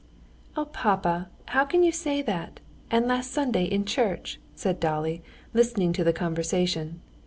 "Oh, papa!... how can you say that? And last Sunday in church?" said Dolly, listening to the conversation.